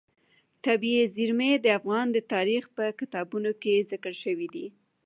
طبیعي زیرمې د افغان تاریخ په کتابونو کې ذکر شوی دي.